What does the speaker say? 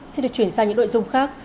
xin được chuyển sang những nội dung khác